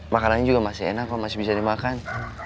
makanannya juga masih enak kok masih bisa dimakan